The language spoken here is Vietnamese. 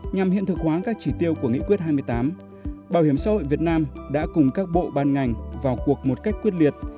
nhằm hiện thực hóa các chỉ tiêu của nghị quyết hai mươi tám bảo hiểm xã hội việt nam đã cùng các bộ ban ngành vào cuộc một cách quyết liệt